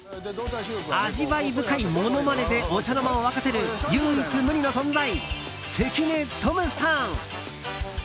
味わい深いモノマネでお茶の間を沸かせる唯一無二の存在、関根勤さん。